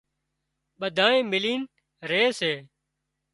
ٻڌانئين ملين ري سي